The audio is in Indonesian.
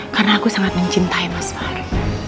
karena aku sangat mencintai mas fahri